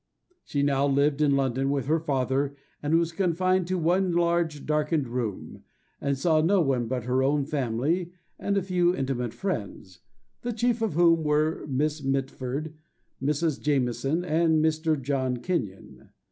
She now lived in London with her father, and was confined to one large darkened room, and saw no one but her own family, and a few intimate friends, the chief of whom were Miss Mitford, Mrs. Jameson, and Mr. John Kenyon.